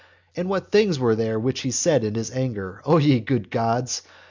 And what things were they which he said in his anger, O ye good gods!